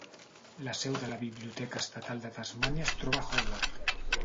La seu de la Biblioteca Estatal de Tasmània es troba a Hobart.